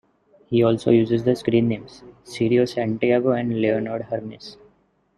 He also uses the screen names: Cirio Santiago and Leonard Hermes.